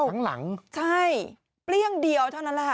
ทั้งหลังใช่เปรี้ยงเดียวเท่านั้นแหละค่ะ